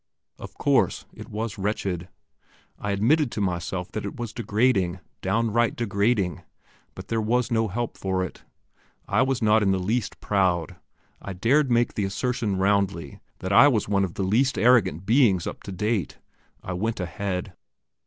Of course it was wretched. I admitted to myself that it was degrading downright degrading, but there was no help for it. I was not in the least proud; I dared make the assertion roundly, that I was one of the least arrogant beings up to date. I went ahead.